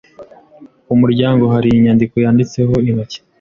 Ku muryango hari inyandiko yanditseho intoki.